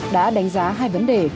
đã đánh giá hai vấn đề